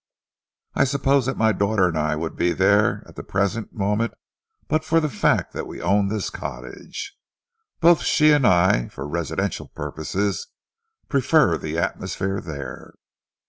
I suppose that my daughter and I would be there at the present moment but for the fact that we own this cottage. Both she and I, for residential purposes, prefer the atmosphere there."